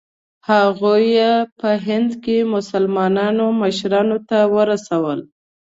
هغوی یې په هند کې مسلمانانو مشرانو ته ورسول.